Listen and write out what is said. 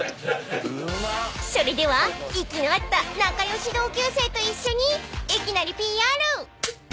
［それでは息の合った仲良し同級生と一緒に］